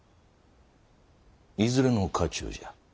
いずれの家中じゃ？